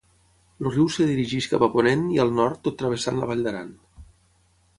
El riu es dirigeix cap a ponent i al nord tot travessant la Vall d'Aran.